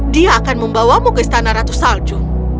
dia akan membawamu ke istana ratu salju